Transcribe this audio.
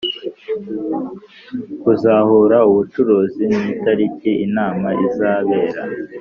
Kuzahura ubucuruzi n itariki inama izabera